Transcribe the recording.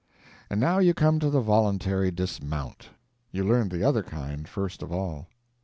And now you come to the voluntary dismount; you learned the other kind first of all.